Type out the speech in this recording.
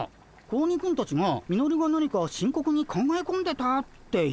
子鬼くんたちがミノルが何か深刻に考え込んでたって言ってたけど？